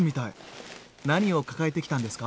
何を抱えてきたんですか？